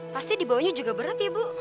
pasti dibawanya juga berat ya bu